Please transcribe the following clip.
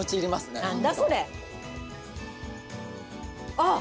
あっ！